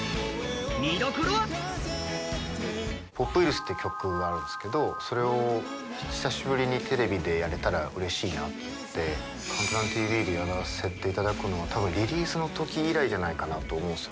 見どころは「ＰｏｐＶｉｒｕｓ」という曲があるんですけど、それを久しぶりにテレビでやれるのがうれしくて「ＣＤＴＶ」でやらせていただくのは多分リリースのとき以来じゃないかと思うんです。